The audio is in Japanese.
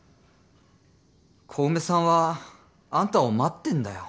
小梅さんはあんたを待ってんだよ。